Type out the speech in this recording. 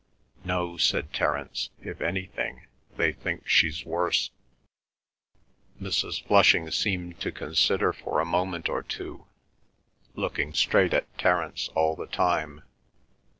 "No," said Terence. "If anything, they think she's worse." Mrs. Flushing seemed to consider for a moment or two, looking straight at Terence all the time.